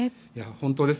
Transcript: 本当です。